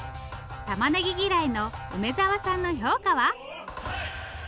たまねぎ嫌いの梅沢さんの評価は？